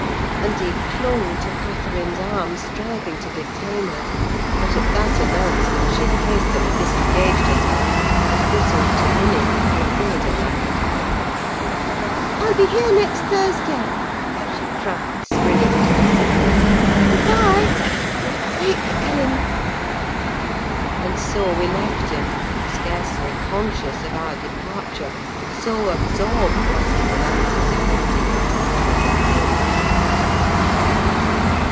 And he clung to Catherine's arm, striving to detain her; but at that announcement she hastily disengaged herself, and whistled to Minny, who obeyed her like a dog. "I'll be here next Thursday," she cried, springing to the saddle. "Good bye. Quick, Ellen!" And so we left him, scarcely conscious of our departure, so absorbed was he in anticipating his father's approach.